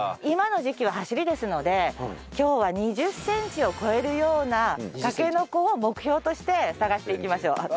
今の時期は走りですので今日は２０センチを超えるようなたけのこを目標として探していきましょう。